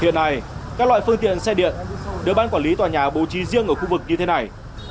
hiện nay các loại phương tiện xe điện được ban quản lý tòa nhà bố trí riêng ở khu vực như thế này